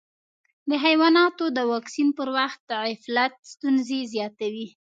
د حیواناتو د واکسین پر وخت غفلت ستونزې زیاتوي.